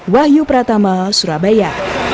wahyu pratama surabaya